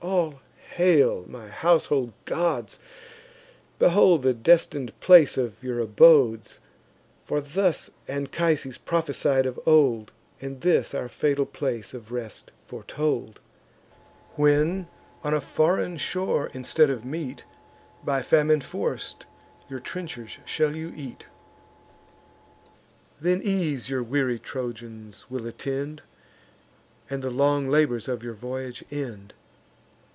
all hail, my household gods! Behold the destin'd place of your abodes! For thus Anchises prophesied of old, And this our fatal place of rest foretold: 'When, on a foreign shore, instead of meat, By famine forc'd, your trenchers you shall eat, Then ease your weary Trojans will attend, And the long labours of your voyage end.